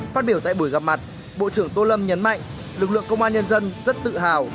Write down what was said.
phát biểu tại buổi gặp mặt bộ trưởng tô lâm nhấn mạnh lực lượng công an nhân dân rất tự hào